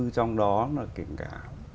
trong đó là cả